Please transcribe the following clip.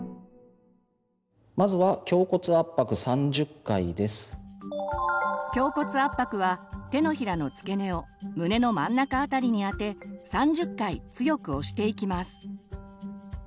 まずは胸骨圧迫は手のひらの付け根を胸の真ん中あたりにあて３０回強く押していきます。